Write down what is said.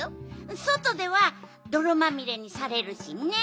そとではどろまみれにされるしね。